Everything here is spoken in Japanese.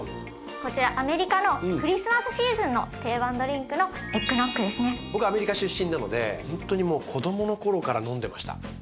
こちらアメリカのクリスマスシーズンの定番ドリンクの僕アメリカ出身なのでほんとにもう子供の頃から飲んでました。